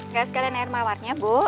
nggak sekalian air mawarnya bu